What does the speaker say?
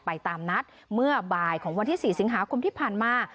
ตามนัดเมื่อบ่ายของวันที่๔สิงหาคมที่ผ่านมา